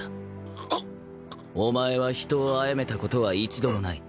お前は人をあやめたことは一度もない。